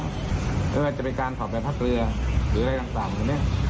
มันก็จะเป็นการขอบแบบทักเรือหรืออะไรต่างอย่างนี้